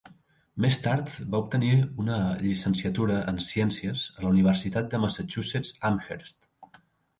Més tard va obtenir una llicenciatura en Ciències a la Universitat de Massachusetts Amherst.